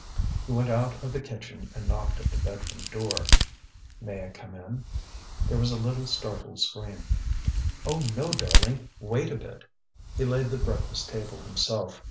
He went out of the kitchen and knocked at the bed room door. ŌĆ£May I come in? ŌĆØ There was a little startled scream. ŌĆ£Oh, no, darling, wait a bit! ŌĆØ He laid the breakfast table himself.